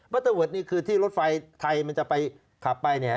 เตอร์เวิร์ดนี่คือที่รถไฟไทยมันจะไปขับไปเนี่ย